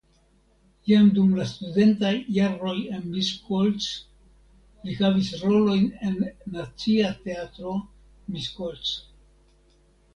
Jam dum la studentaj jaroj en Miskolc li havis rolojn en Nacia Teatro (Miskolc).